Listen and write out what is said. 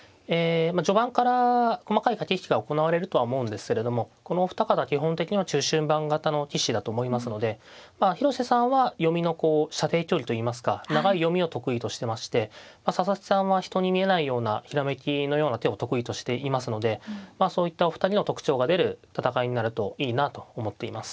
序盤から細かい駆け引きが行われるとは思うんですけれどもこのお二方基本的には中終盤型の棋士だと思いますので広瀬さんは読みのこう射程距離といいますか長い読みを得意としてまして佐々木さんは人に見えないようなひらめきのような手を得意としていますのでそういったお二人の特徴が出る戦いになるといいなと思っています。